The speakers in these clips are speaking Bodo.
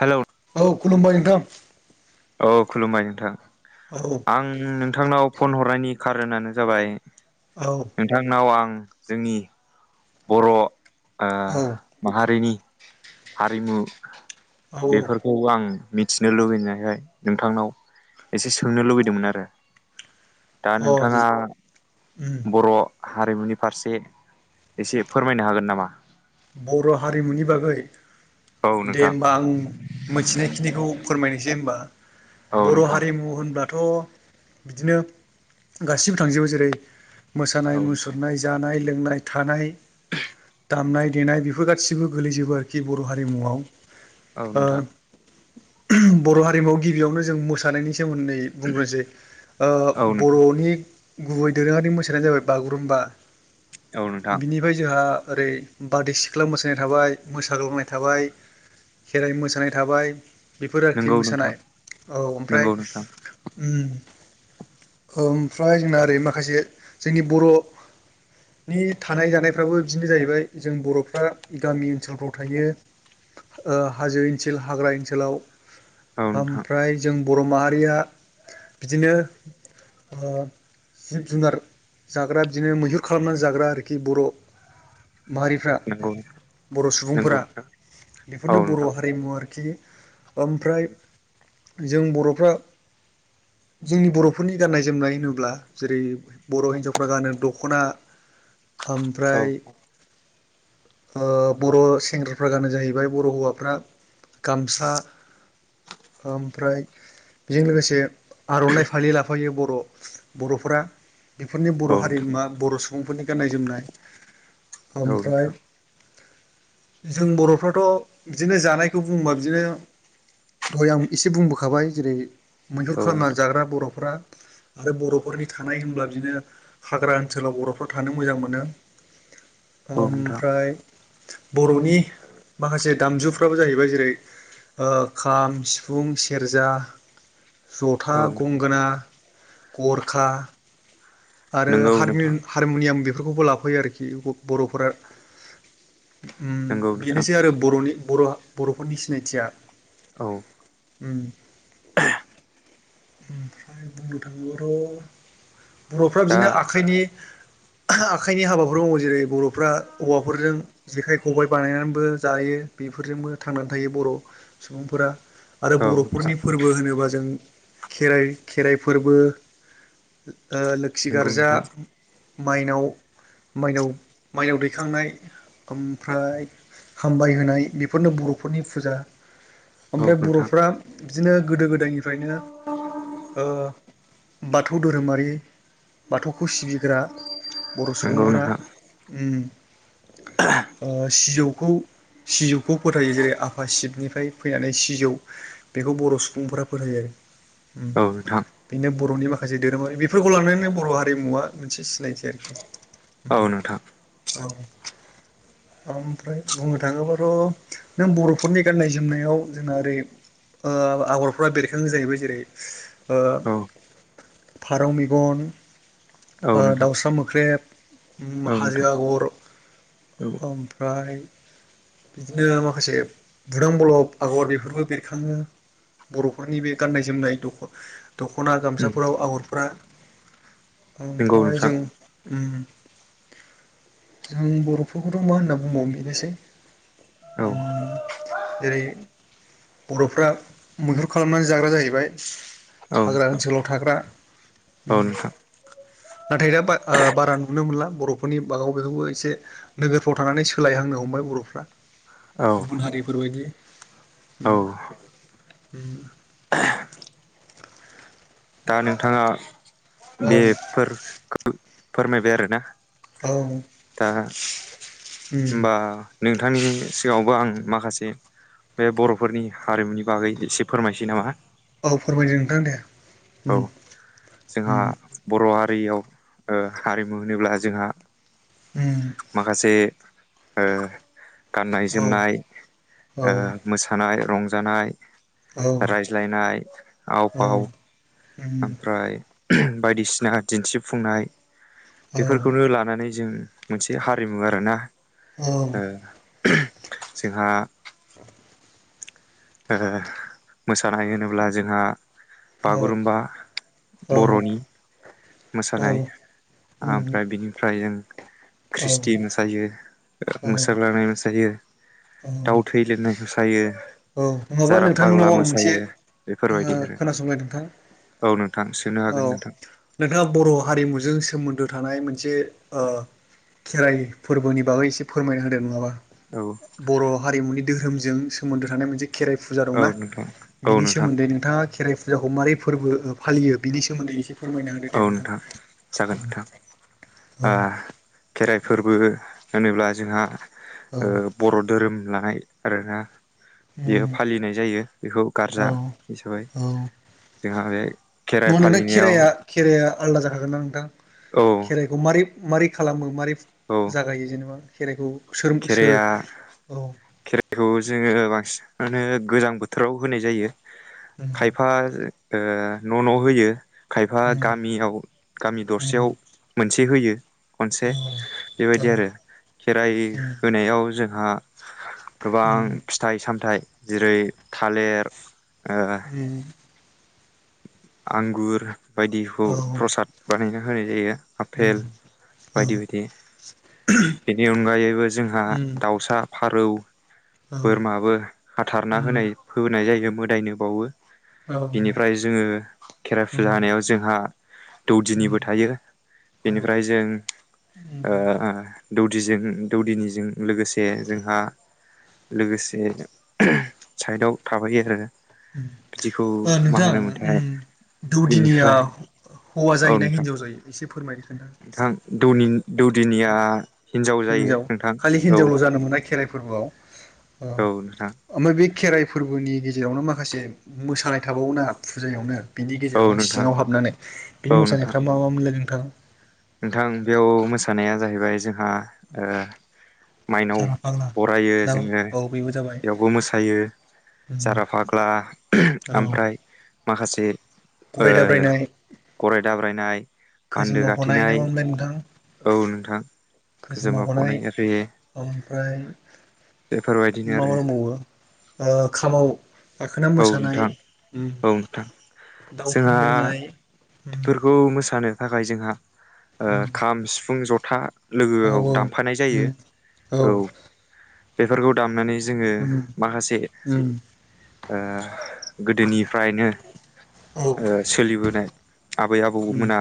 हेलौ औ खुलुमबाय नोंथां। औ खुलुमबाय नोंथां औ आं नोंथांनाव फन हरनायनि खारोनानो जाबाय औ नोंथांनाव आं जोंनि बर' ओ औ माहारिनि हारिमु औ बेफोरखौ आं मिथिनो लुबैनायखाय नोंथांनाव एसे सोंनो लुुबैदोंमोन आरो। दा औ औ नोंथाङा उम बर' हारिमुनि फारसे एसे फोरमायनो हागोन नामा? बर' हारिमुनि बागै औ दे नोंथां होमबा आं मोनथिनायखिनिखौ फोरमायनोसै होमबा। औ बर' नोंथां हारिमु होनब्लाथ' बिदिनो गासिबो थांजोबो जेरै औ मोसानाय नोंथां मुसुरनाय जानाय लोंनाय थानाय दामनाय देनाय बेफोर गासिबो गोलैजोबो आरोखि बर' हारिमुआव। औ ओ नोंथां। बर' हारिमुआव गिबियावनो जों मोसानायनि सोमोन्दै बुंग्रोसै ओ औ नोंथां बर'नि गुबै दोरोङारि मोसानायानो जाबाय बागुरुम्बा औ नोंथां बिनिफाय जोंहा ओरै बारदै सिख्ला मोसानाय थाबाय मोसाग्लांनाय थाबाय खेराइ मोसानाय थाबाय बेफोर आरोखि नंगौ नोंथां मोसानाय औ ओमफ्राय नंगौ नोंथां उम्म ओ ओमफ्राय जोंना ओरै माखासे जोंनि बर' नि थानाय जानायफ्राबो बिदिनो जाहैबाय। जों बर'फ्रा गामि ओनसोलफ्राव थायो। ओ हाजो ओनसोल हाग्रा ओनसोलाव औ नोंथां ओमफ्राय जों बर' माहारिया बिदिनो ओ जिब जुनार जाग्रा बिदिनो मैहुर खालामनानै जाग्रा आरोखि बर' माहारिफ्रा नंगौ बर' नंगौ सुबुंफोरा नोंथां औ बेफोरनो बर' नोंथां हारिमु आरोखि ओमफ्राय जों बर'फ्रा जोंनि बर'फोरनि गान्नाय जोमनाय होनोब्ला जेरै बर' हिनजावफ्रा गानो दख'ना [inaudible] औ ओमफ्राय [inaudible] ओ बर' सेंग्राफ्रा गानो जाहैबाय बर' हौवाफ्रा गामसा ओमफ्राय बेजों लोगोसे आर'नाइ फालि लाफायो बर' बर'फोरा बेफोरनि औ बर' नोंथां हारिमुवा बर' सुबुंफोरनि गाननाय जोमनाय औ ओमफ्राय नोंथां जों बर'फ्राथ' बिदिनो जानायखौ बुङोबा बिदिनो दहाय आं एसे बुंबोखाबाय जेरै मैहुर औ खालामना नोंथां जाग्रा बर'फ्रा आरो बर'फोरनि थानाय होनब्ला बिदिनो हाग्रा ओनसोलाव बर'फ्रा थानो मोजां मोनो। औ नोंथां ओमफ्राय बर'नि माखासे दामजुफ्राबो जाहैबाय जेरै ओ खाम, सिफुं, सेरजा जथा, औ नोंथां गंगोना, गरखा आरो नंगौ नोंथां हारमिम हारमुनियाम बेफोरखौबो लाफायो आरोखि बर'फोरा। नंगौ उम्म नोंथां बेनोसै आरो बर'नि बर' बर'फोरनि सिनायथिया। औ। उम्म। ओमफ्राय बुंनो थाङोब्लाथ' बर'फ्रा दा बिदिनो आखाइनि आखाइनि हाबाफोरबो मावो जेरै बर'फ्रा औवाफोरजों जेखाइ खबबाय बानायनानैबो जायो बेफोरजोंबो थांनानै थायो बर' सुबुंफोरा आरो औ नोंथां बर'फोरनि फोरबो होनोब्ला जों खेराइ खेराइ फोरबो ओ लोखि नंगौ गार्जा नोंथां माइनाव माइनाव माइनाव दैखांनाय ओमफ्राय हामबाय होनाय बेफोरनो बर'फोरनि फुजा औ ओमफ्राय नोंथां बर'फ्रा बिदिनो गोदो गोदायनिफ्रायनो ओ बाथौ धोरोमारि बाथौखौ सिबिग्रा। बर' नंगौ सुबुंफोरा। नोंथां उम ओ सिजौखौ सिजौखौ फोथायो जेरै आफा शिबनिफ्राय फैनानै सिजौ बेखौ बर' सुबुंफोरा फोथायो आरो। [inaudible] उम नोंथां बेनो। बर'नि माखासे धोरोमारि बेफोरखौ लानानैनो बर' हारिमुवा मोनसे सिनायथि आरोखि। औ नोंथां। औ। ओमफ्राय बुंनो थाङोबाथ' नों बर'फोरनि गाननाय जोमनायाव जोंना ओरै ओ आगरफ्रा बेरखांयो जाहैबाय जेरै ओ औ फारौ मेगन औ ओ नोंथां दाउसा मोख्रेब। उम औ हाजो नोंथां आगर औ ओमफ्राय बिदिनो माखासे बुदां बलब आगर बेफोरबो बेरखाङो। बर'फोरनि बे गाननाय जोमनाय दख दख'ना गामसाफोराव आगरफ्रा नंगौ ओमफाय नोंथां जों उम। जों बर'फोरखौथ' मा होनना बुंबावो बेनोसै। औ उम जेरै बर'फ्रा मैहुर खालामनानै जाग्रा जाहैबाय। औ हाग्रा नोंथां ओनसोलाव थाग्रा। उम औ नोंथां। नाथाय दा बा ओ बारा नुनो मोनला बरफ फोरनि बागाव बेखौबो एसे नोगोरफ्राव थांनानै सोलायहांनो हमबाय बर'फ्रा। औ गुबुन हारिफोर बायदि औ उम। [inaudible] दा नोंथाङा औ बेफोरखौ फोरमायबाय आरोना। औ। दा उम होमबा नोंथांनि सिगाङावबो आं माखासे बे बर'फोरनि हारिमुनि बागै एसे फोरमायसै नामा? औ फोरमायदों नोंथां दे। उम औ जोंहा उम बर'आथ रैयाव ओ हारिमु होनोब्ला जोंहा उम माखासे ओ। गाननाय औ जोमनाय ओ औ मोसानाय रंजानाय। औ रायज्लायनाय आव फाव ओमफ्राय बायदिसिना दिन्थिफुंनाय बेफोरखौनो लानानै जों। मोनसे हारिमु आरो ना। औ। जोंहा। ओ मोसानाय होनोब्ला जोंहा बागुरुमबा बर'नि। मोसानाय ओमफ्राय बिनिफ्राय जों ख्रिस्टि मोसायो। ओ मोसाग्लानाय मोसायो दाउ थै लिरनाय मोसायो। औ नङाबा जारा नोंथांनाव फाग्ला आं मोनसे मोसायो बेफोर बायदि ओ आरो। खोनासंलाय नोंथां औ नोंथां सोंनो हागोन नोंथां। जों बर' हारिमुजों सोमोन्दो थानाय मोनसे ओ खेराइ फोरबोनि बागै एसे फोरमायना होदो नङाबा? औ बर' हारिमुनि धोरोमजों सोमोन्दो थानाय मोनसेख खेराइ फुजा औ दंना नोंथां औ बिनि नोंथां सोमोन्दै नोंथाङा खेराइ फुजाखौ माबोरै फोरबो फालियो बिनि सोमोन्दै एसे फोरमायना होदो औ दे नोंथां जागोन नोंथां औ खेराइ फोरबो होनोब्ला जोंहा ओ बर' धोरोम लायनाय आरोना। बियो फालिनाय जायो बेखौ गारजा औ हिसाबै जोंहा बे खेराइ न'वा नोना फालिनायाव खेराइाया खे राया आलदा जागोन ना नोंथां औ खेराइखौ मारै मारै खालामो मारै जागायो जेनेबा खेराइखौ। सोर सोर खेराइया औ खेराइखौ जोङो बांसिन आनो गोजां बोथोराव होनाय जायो। उम खायफा ओ न' न' होयो खायफा उम गामियाव गामि उम दरसेयाव मोनसे होयो। खनसे औ औ बेबायदि आरो खेराइ उम होनायाव जोंहा गोबां उम उम फिथाइ-सामथाइ जेरै थालेर उम आंगुर बायदिखौ औ उम औ उम औ प्रसाद बानायना होनाय जायो। उम आपेल औ उम बायदि बायदि। बेनि अनगायैबो जोंहा उम दाउसा, फारौ औ उम बोरमाबो हाथारना उम होनाय होनाय जायो। मोदायनो बावो बिनिफ्राय जोङो खेराइ फुजा होनायाव जोंहा दौदिनिबो थायो बेनिफ्राय जों ओ दौदिजों दौदिनिजों लोगोसे जोंहा लोगोसे साइदआव थाबाय आरो बिदिखौ ओ मा नोंथां होनोमोनथाय उम दौदिनिया बिनिफ्राय हौवा औ जायोना नोंथां हिनजाव जायो एसे फोरमायना नोंथां दौनि खोनथा दौदिनिया जायो हिनजाव नोंथां खालि औ हिनजावल' जानो मोनाय खेराइ फोरबोआव ओ औ नोंथां ओमबाय बे खेराइ फोरबोनि गेजेरावनो माखासे मोसानाय थाबावोना फुजायावनो बिनि औ गेजेरावनो नोंथां सिङाव हाबनानै बे औ नोंथां मोसानायफ्रा मा मा मोनलाय नोंथां? नोंथां बेयाव मोसानाया जाहैबाय जोंहा ओ माइनाव जारा फाग्ला बरायो दा जोङो औ बेबो जाबाय बेयावबो मोसायो उम सारा फाग्ला औ ओमफ्राय माखासे गराय ओ गराय दाब्रायनाय बान्दो खोजोमा हनाय गाथेनाय नामामोनलाय औ नोंथां? नोंथां गोजोमा खोजोमा हनाय फनाय आरि ओमफ्राय बेफोरबायदिनो आरो माबा दंबावो खामाव गाखोना औ मोसानाय नोंथां उम औ नोंथां। दाउ थै जोंहा लोंनाय बेफोरखौ मोसानो थाखाय जोंहा ओ खाम सिफुं जथा औ लोगोआव दामफानाय जायो उम औ। बेफोरखौ दामनानै जोङो उम माखासे उम ओ गोदोनि फ्रायनो औ ओ सोलिबोनाय आबै उम आबौमोना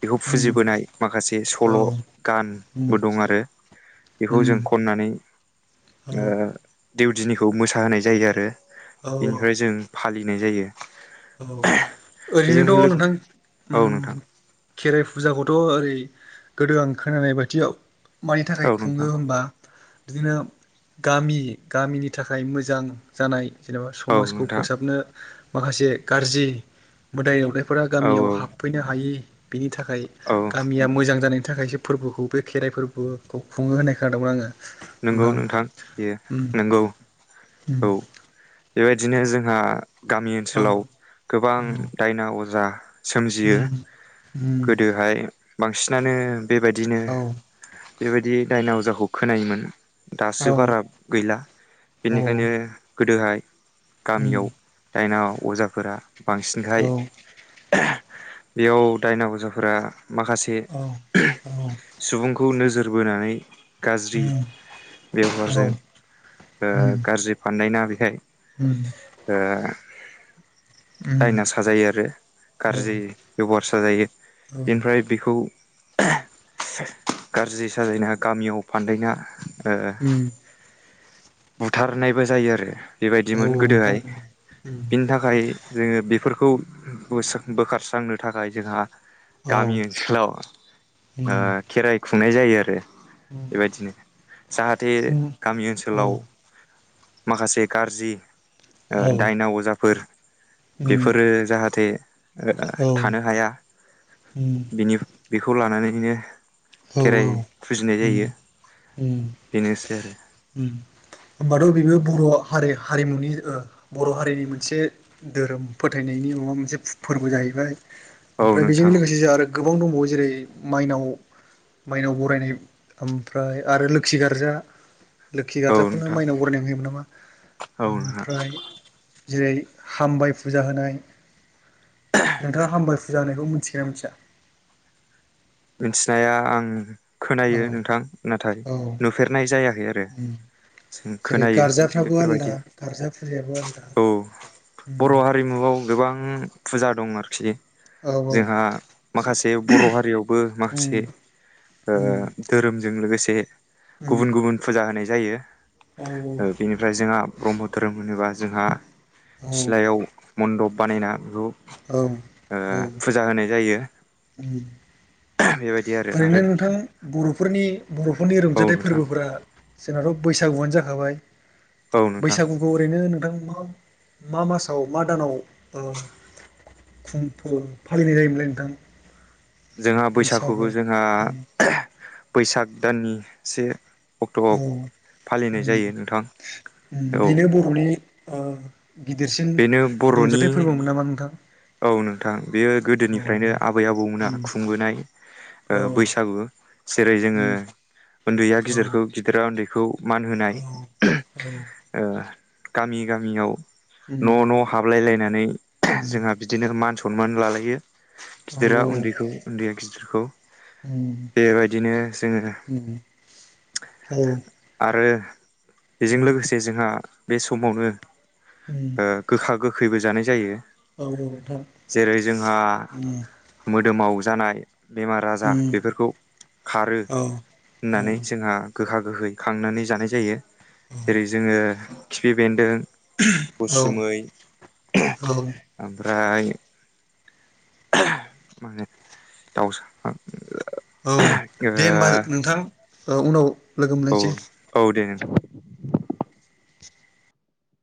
बेखौ उम फुजिबोनाय माखासे औ सल' उम गानबो दं आरो। बेखौ जों उम खननानै औ ओ देउदिनिखौ मोसाहोनाय जायो आरो। औ बेनिफ्राय जों फालिनाय जायो। औ बेजों ओरैनोथ' लोगो नोंथां औ उम नोंथां खेराइ फु फुजाखथ' ओरै गोदो आं खोनानाय बायदियाव मानि औ थाखाय खुङो नोंथां होनबा बिदिनो गामि- गामिनि थाखाय मोजां जानाय जेनेबा औ समाजखौ नोंथां फोसाबनो माखासे गाज्रि मोदाय दावदाय फोरा औ गामियाव औ हाबफैनो हायि बेनि थाखाय औ गामिया मोजां जानाय थाखायसो फोरबोखौ बे खेराइ फोरबोखौ खुङो होनाय खोनादोंमोन आङो। नंगौ नोंथां बेयो उम नंगौ उम औ। बेबायदिनो जोंहा गामि औ ओनसोलाव गोबां औ दायना अजा सोमजियो उम उम गोदोहाय बांसिनानो बेबदिनो औ बेबायदि दायना अजाखौ खोनायोमोन औ दासो बारा गैला औ बेनिखायनो गोदोहाय उम गामियाव दायना अजाफोरा औ बांसिनखाय बेयाव दायना अजाफोरा माखासे औ औ सुबुंखौ नोजोर बोनानै गाज्रि उम औ बेबहारजों ओ उम गाज्रि फानदायना बेहाय उम ओ उम दायना साजायो आरो औ गाज्रि बेबहार साजायो औ उम बेनिफ्राय बेखौ गाज्रि साजायना गामियाव फानदायना ओ बुथारनायबो जायो आरो औ बेबायदिमोन नोंथां गोदोहाय उम बिनि थाखाय जोङो बेफोर खौ बोसो बोखारस्रांनो थाखाय जोंहा गामि औ ओनसोलाव ओ उम खेराइ खुंनाय जायो आरो बेबायदिनो जाहाथे उम औ उम औ उम गामि औ उम ओनसोलाव माखासे गाज्रि दायना ओ अजाफोर बेफोरो जाहाथे ओ थानो हाया बिनि बेखौ लानानैनो खेराइ फुजिनाय जायो उम बेनोसै आरो उम होमबाथ' बेबो बर' हारि हारिमुनि बर' हारिनि मोनसे धोरोम फोथायनायनि माबा मोनसे फोरबो जाहैबाय औ ओमफ्राय बेजों नोंथां लोगोसे जों आरो गोबां दंबावो जेरै माइनाव माइनाव बरायनाय ओमफ्राय आरो लोखि गार्जा लोखि औ गार्जाखौनो नोंथां माइनाव बरायनानै होयोमोन औ नामा नोंथां ओमफ्राय जेरै हामबाय फुजा होनाय नोंथाङा हामबबाय फुजा होनायखौ मिथिगोनना मिथिया? मिथिनाया आं खोनायो औ नोंथां नाथाय औ नुफेरनाय जायाखै आरो उम जों जेरै खोनायो गार्जाफ्राबो आलदा बेफोरबायदि गार्जा फुजायाबो आलदा औ उम बर' हारिमुआव गोबां फुजा दं आरोखि औ जोंहा माखासे बर' हारियाव बो माखासे उम ओ उम धोरोमजों लोगोसे उम गुबुन गुबुन फुजा होनाय जायो औ बेनिफ्राय जोंहा ब्रह्म धोरोम होनोबा जोंहा औ औ सिलायाव मन्दप बानायना बेखौ ओ औ फुजा होनाय जायो। उम। बेबायदि आरो ओरैनो आरो नोंथां बर'फोरनि बर'फोरनि औ रंजाथाइ नोंथां फोरबोफोरा जोंनाथ' बैसागुआनो जाखाबाय औ नोंथां बैसागुखौ ओरैनो नोंथां मा मा मासाव मा दानाव ओ खुंफ' फालिनाय जायोमोनलाय नोंथां? जोंहा बैसागो बैसागुखौ जोंहा उम बैसाग दाननि से अक्ट'आव औ फालिनाय उम जायो नोंथां औ बेनो बर'नि ओ गिदिरसिन बेनो बर'नि रंजाथाइ फोरबोमोन नामा नोंथां? औ नोंथां बेयो औ गोदोनिफ्रायनो औ आबै आबौमोना उम ओ खुंबोनाय औ बैसागु जेरै जोङो उम उन्दैया गिदिरखौ गिदिरा उन्दैखौ मान औ होनाय औ ओ गामि गामियाव उम न' न' हाबलायलायनानै उम जोंहा बिदिनो मान सनमान लालायो औ गिदिरा उन्दैखौ उन्दैया गिदिरखौ उम बेबायदिनो जोङो उम औ आरो बेजों लोगोसे जोंहा बे समावनो उम ओ गोखा गोख खैबो जानाय जायो औ औ नोंथां जेरै जोंहा उम मोदोमाव जानाय बेमार आजार उम बेफोरखौ खारो औ होननानै जोंहा गोखा गोखै खांनानै जानाय जायो जेरै जोङो खिफि बेन्दों औ उसुमै, औ औ ओमफ्राय मा होनो दाउसा औ दे होमबा नोंथां उनाव लोगो ओ औ मोनलायसै। [inaudible]